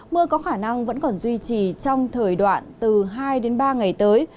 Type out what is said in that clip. mưa có khả năng vẫn còn duy trì trong thời đoạn từ hai đến ba ngày tới